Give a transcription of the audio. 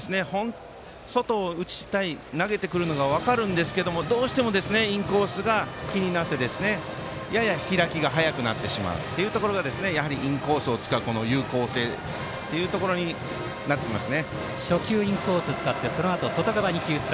外を打ちたい投げてくるのが分かるんですけどどうしてもインコースが気になって、やや開きが早くなってしまうというところがインコースを使う有効性というところになってきます。